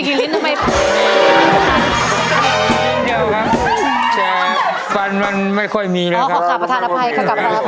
อ้อขอข่าวประธานภัยขอข่าวประธานภัยค่ะ